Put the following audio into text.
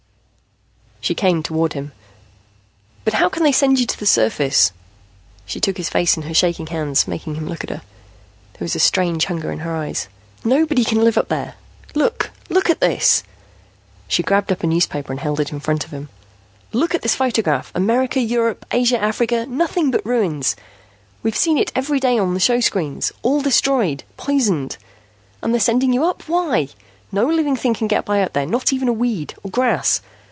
She came toward him. "But how can they send you to the surface?" She took his face in her shaking hands, making him look at her. There was a strange hunger in her eyes. "Nobody can live up there. Look, look at this!" She grabbed up a newspaper and held it in front of him. "Look at this photograph. America, Europe, Asia, Africa nothing but ruins. We've seen it every day on the showscreens. All destroyed, poisoned. And they're sending you up. Why? No living thing can get by up there, not even a weed, or grass.